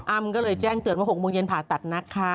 ก็เลยแจ้งเตือนว่า๖โมงเย็นผ่าตัดนะคะ